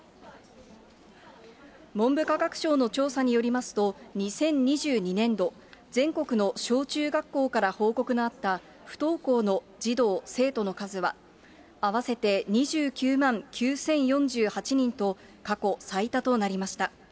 文部科学省の調査によりますと、２０２２年度、全国の小中学校から報告のあった不登校の児童・生徒の数は、合わせて２９万９０４８人と、過去最多となりました。